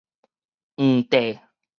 黃帝